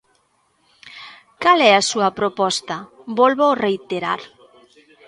Cal é a súa proposta, vólvoo reiterar.